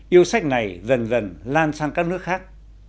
yêu sách này dần dần lan sang các nước khác